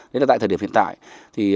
đấy là tại thời điểm hiện tại